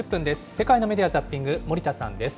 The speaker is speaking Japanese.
世界のメディア・ザッピング、森田さんです。